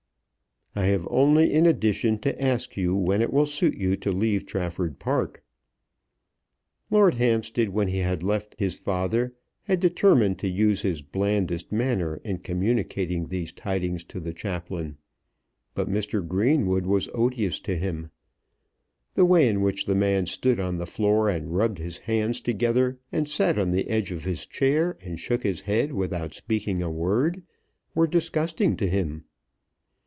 "I have only in addition to ask you when it will suit you to leave Trafford Park." Lord Hampstead, when he had left his father, had determined to use his blandest manner in communicating these tidings to the chaplain. But Mr. Greenwood was odious to him. The way in which the man stood on the floor and rubbed his hands together, and sat on the edge of his chair, and shook his head without speaking a word, were disgusting to him.